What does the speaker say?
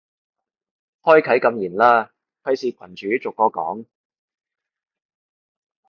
開啟禁言啦，費事群主逐個講